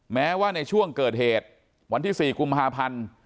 แม้ว่าในช่วงเกิดเหตุวันที่๔กุมภาพันธ์